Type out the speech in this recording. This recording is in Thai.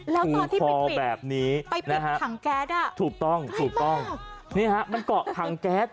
แล้วตอนที่ไปปิดถังแก๊สอ่ะให้มากนี่นะครับมันเกาะถังแก๊ส